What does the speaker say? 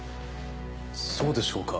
そうでしょうか。